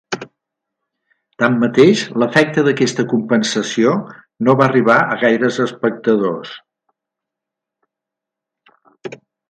Tanmateix, l’efecte d’aquesta ‘compensació’ no va arribar a gaires espectadors.